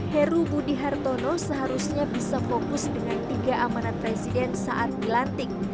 heru budi hartono seharusnya bisa fokus dengan tiga amanat presiden saat dilantik